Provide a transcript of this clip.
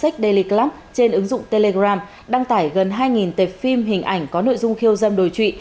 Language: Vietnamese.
teleclub trên ứng dụng telegram đăng tải gần hai tệp phim hình ảnh có nội dung khiêu dâm đồ trị